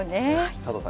佐藤さん